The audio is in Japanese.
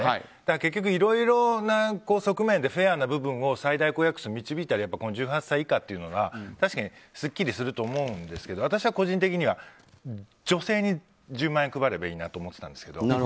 結局、いろいろな側面でフェアな部分を最大公約数で導くというのが一番すっきりすると思うんですが私は個人的には女性に１０万円配ればいいなって思ってたんですけど。